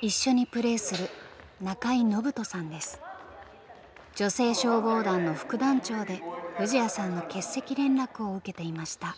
一緒にプレーする女性消防団の副団長で藤彌さんの欠席連絡を受けていました。